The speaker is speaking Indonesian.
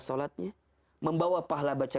solatnya membawa pahala baca